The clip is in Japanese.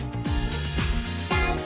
「ダンス！